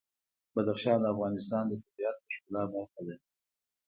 بدخشان د افغانستان د طبیعت د ښکلا برخه ده.